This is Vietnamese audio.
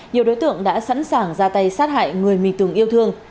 nhiều đối tượng đã sẵn sàng ra tay sát hại người mình từng yêu thương